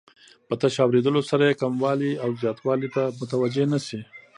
په تش اوریدلو سره یې کموالي او زیاتوالي ته متوجه نه شي.